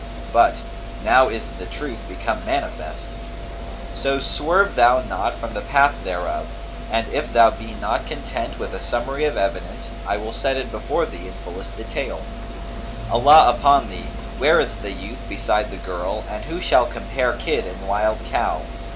But, 'Now is the truth become manifest;'[FN#241] so swerve thou not from the path thereof; and, if thou be not content with a summary of evidence, I will set it before thee in fullest detail. Allah upon thee, where is the youth beside the girl and who shall compare kid and wild cow?